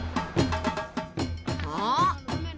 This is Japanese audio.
あっ。